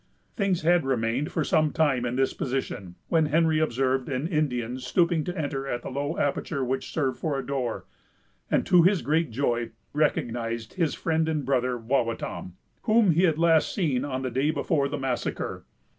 Things had remained for some time in this position, when Henry observed an Indian stooping to enter at the low aperture which served for a door, and, to his great joy, recognized his friend and brother, Wawatam, whom he had last seen on the day before the massacre.